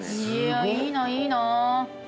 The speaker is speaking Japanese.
いいないいな。